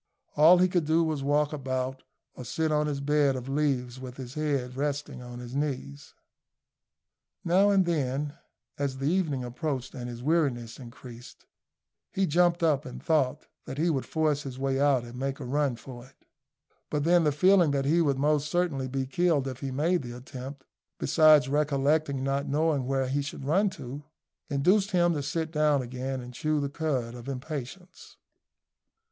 All he could do was to walk about or sit on his bed of leaves with his head resting on his knees. Now and then, as the evening approached and his weariness increased, he jumped up and thought that he would force his way out and make a run for it: but then the feeling that he would most certainly be killed if he made the attempt, besides recollecting not knowing where he should run to, induced him to sit down again and chew the cud of impatience.